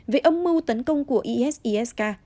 về âm mưu tấn công của isis k